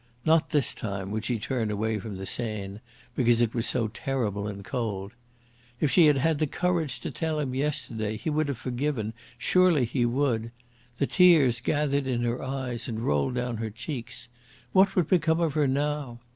Not this time would she turn away from the Seine, because it was so terrible and cold. If she had had the courage to tell him yesterday, he would have forgiven, surely he would! The tears gathered in her eyes and rolled down her cheeks. What would become of her now?